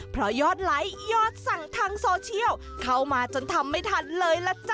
เพราะยอดไลค์ยอดสั่งทางโซเชียลเข้ามาจนทำไม่ทันเลยล่ะจ๊